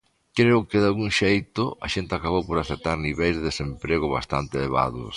Creo que, dalgún xeito, a xente acabou por aceptar niveis de desemprego bastante elevados.